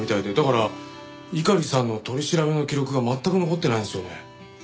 だから猪狩さんの取り調べの記録が全く残ってないんですよね。